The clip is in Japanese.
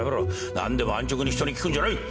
何でも安直に人に聞くんじゃない！